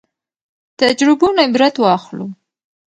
تجربو نه عبرت واخلو